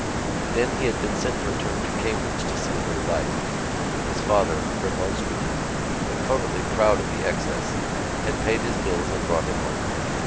Then he had been sent for a term to Cambridge to see a little life. His father, remonstrative, but covertly proud of the excess, had paid his bills and brought him home.